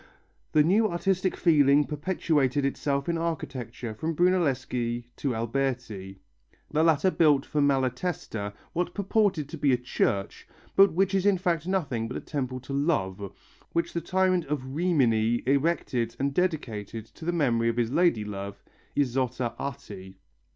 The new artistic feeling perpetuated itself in architecture from Brunelleschi to Alberti. The latter built for Malatesta what purported to be a church, but which is in fact nothing but a temple to Love, which the tyrant of Rimini erected and dedicated to the memory of his lady love, Isotta Atti.